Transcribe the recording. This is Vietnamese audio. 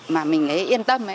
mà mình ấy yên tâm